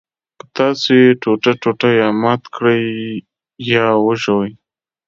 که تاسو یې ټوټه ټوټه یا مات کړئ یا وژوئ.